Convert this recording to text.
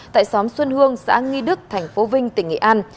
tại xóm xuân hương xã nghi đức tp vinh tỉnh nghị an